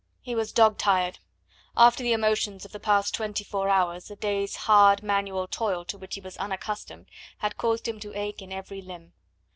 He was dog tired. After the emotions of the past twenty four hours, a day's hard manual toil to which he was unaccustomed had caused him to ache in every limb.